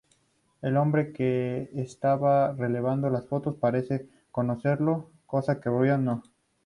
El hombre que estaba revelando las fotos parece conocerlo, cosa que Ryan no.